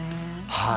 はい。